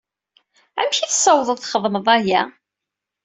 Amek i tessawḍeḍ txedmeḍ aya?